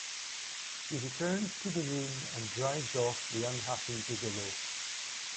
He returns to the room and drives off the unhappy gigolo.